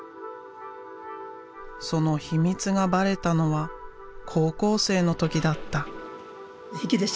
その秘密がバレたのは高校生の時だった。